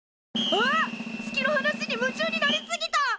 あっ月の話に夢中になり過ぎた！